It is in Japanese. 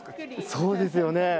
そうですよね。